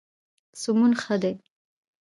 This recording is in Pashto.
سمون ښه دی.